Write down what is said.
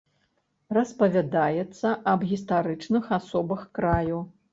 Распавядаецца аб гістарычных асобах краю.